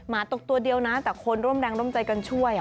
ตกตัวเดียวนะแต่คนร่วมแรงร่วมใจกันช่วย